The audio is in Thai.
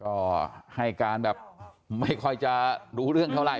ก็ให้การแบบไม่ค่อยจะรู้เรื่องเท่าไหร